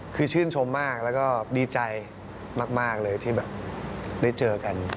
คือชื่นชมมากแล้วก็ดีใจมากเลยที่แบบได้เจอกัน